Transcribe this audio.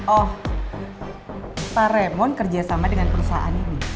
oh pak raymond kerja sama dengan perusahaan ini